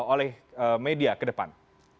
oleh media ke depan